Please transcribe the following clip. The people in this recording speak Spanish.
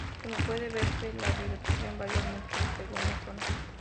Como puede verse, la diversidad varía mucho según la zona.